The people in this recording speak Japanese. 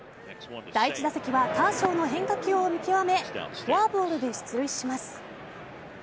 第１打席はカーショーの変化球を見極めフォアボールで出塁します。